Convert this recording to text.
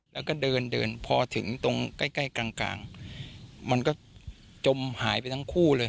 แล้วก็เดินเดินพอถึงตรงใกล้ใกล้กลางมันก็จมหายไปทั้งคู่เลย